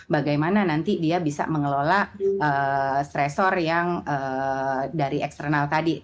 bagaimana nanti dia bisa mengelola stressor yang dari eksternal tadi